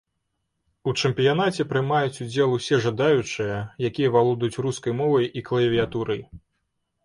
У чэмпіянаце прымаюць удзел усе жадаючыя, якія валодаюць рускай мовай і клавіятурай.